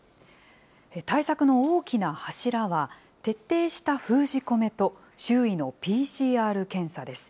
対策の大きな柱は、徹底した封じ込めと周囲のＰＣＲ検査です。